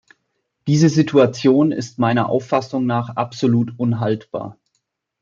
Diese Situation ist meiner Auffassung nach absolut unhaltbar.